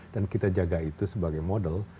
dan kita jaga itu sebagai model